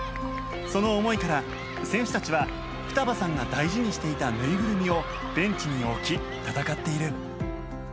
その思いから、選手たちは双葉さんが大事にしていたぬいぐるみをベンチに置き戦っている。